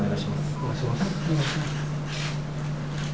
お願いします。